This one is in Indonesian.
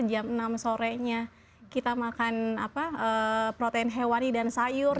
jam enam sorenya kita makan protein hewani dan sayur